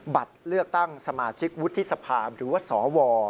บัตรเลือกตั้งสมาชิกวุฒิสภาหรือว่าสว